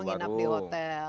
atau menginap di hotel